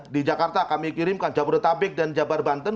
di jakarta kami kirimkan jabodetabek dan jabar banten